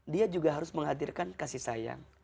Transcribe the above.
dia juga harus menghadirkan kasih sayang